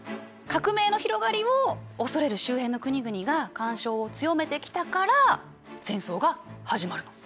革命の広がりを恐れる周辺の国々が干渉を強めてきたから戦争が始まるの。